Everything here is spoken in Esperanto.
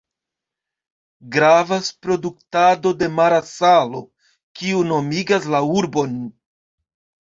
Gravas produktado de mara salo, kio nomigas la urbon.